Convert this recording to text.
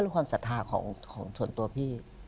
ความศรัทธาของส่วนตัวพี่